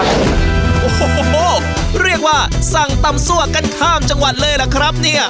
โอ้โหเรียกว่าสั่งตำซั่วกันข้ามจังหวัดเลยล่ะครับเนี่ย